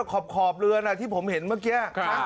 ขอบเรือนที่ผมเห็นเมื่อกี้